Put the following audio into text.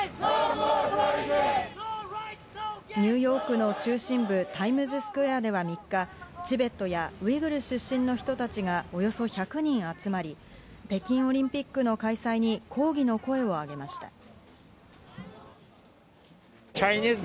ニューヨークの中心部・タイムズスクエアでは３日、チベットやウイグル出身の人たちがおよそ１００人集まり、北京オリンピックの開催に抗議の声をあげました。